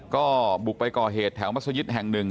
ก็บุกไปก่อเหตุแถวมัศยิตแห่งหนึ่ง